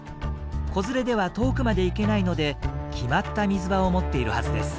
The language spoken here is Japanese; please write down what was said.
子連れでは遠くまで行けないので決まった水場を持っているはずです。